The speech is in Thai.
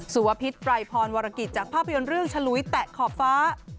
สุวพิษปรายพรวรกิจจากภาพยนตร์เรื่องฉลุยแตะขอบฟ้า